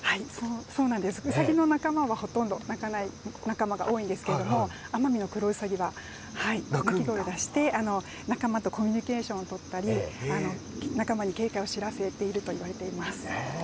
ウサギの仲間は鳴かない仲間が多いですがアマミノクロウサギは鳴き声を出して仲間とコミュニケーションをとったり仲間に警戒を知らせるといわれています。